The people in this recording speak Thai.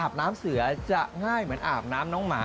น้ำเสือจะง่ายเหมือนอาบน้ำน้องหมา